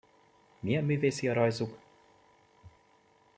Milyen művészi a rajzuk!